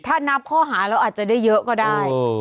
ถ้านับข้อหาแล้วอาจจะได้เยอะก็ได้